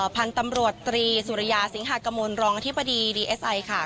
พันธุ์ตำรวจตรีสุริยาสิงหากมลรองอธิบดีดีเอสไอค่ะ